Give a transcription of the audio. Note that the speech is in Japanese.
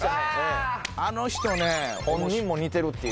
あの人ね本人も似てるって。